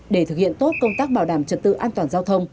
để thực hiện tốt công tác bảo đảm trật tự an toàn giao thông